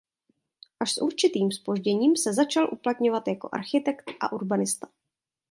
Až s určitým zpožděním se začal uplatňovat jako architekt a urbanista.